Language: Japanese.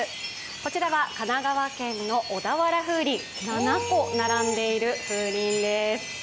こちらは、神奈川県の小田原風鈴７個並んでいる風鈴です。